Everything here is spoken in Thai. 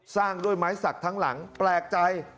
สร้างด้วยไม้สักทั้งหลังแปลกใจ